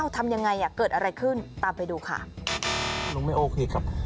ทำอย่างไรเกิดอะไรขึ้นตามไปดูค่ะ